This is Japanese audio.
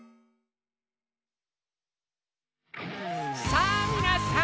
さぁみなさん！